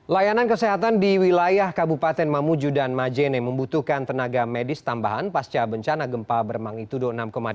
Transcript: layanan kesehatan di wilayah kabupaten mamuju dan majene membutuhkan tenaga medis tambahan pasca bencana gempa bermagnitudo enam delapan